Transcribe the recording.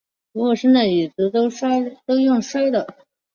服务生椅子都用摔的